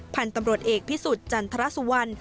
พันธุ์ตำรวจเอกพิสุทธิ์จันทรสุวรรณ